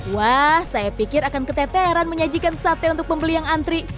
wah saya pikir akan keteteran menyajikan sate untuk pembeli yang antri